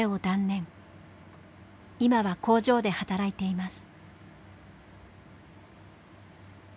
今は工場で働いています。